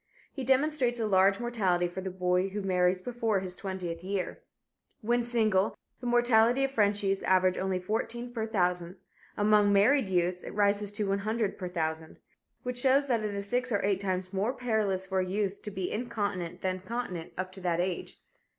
He demonstrates a large mortality for the boy who marries before his twentieth year. When single, the mortality of French youths averages only 14 per thousand; among married youths it rises to 100 per thousand. Which shows that it is six or eight times more perilous for a youth to be incontinent than continent up to that age.